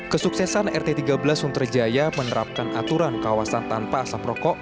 kesuksesan rt tiga belas suntrejaya menerapkan aturan kawasan tanpa asap rokok